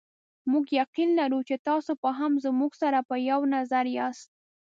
موږ یقین لرو چې تاسې به هم زموږ سره په یوه نظر یاست.